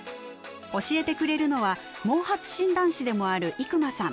教えてくれるのは毛髪診断士でもある伊熊さん。